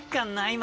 今。